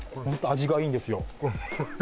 ホント味がいいんですよ